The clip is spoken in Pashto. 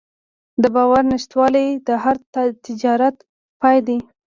د باور نشتوالی د هر تجارت پای ده.